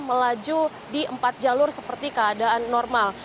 melaju di empat jalur seperti keadaan normal